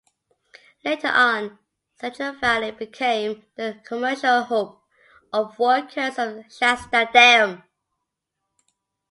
Later on, Central Valley became the commercial hub of workers on Shasta Dam.